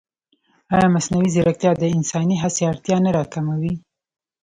ایا مصنوعي ځیرکتیا د انساني هڅې اړتیا نه راکموي؟